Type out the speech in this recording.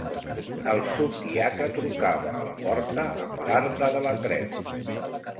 ...el subdiaca trucava a la porta amb l'arbre de la creu